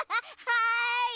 はい。